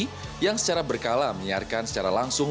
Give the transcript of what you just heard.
dan ada juga tv yang secara berkala menyiarkan secara langsung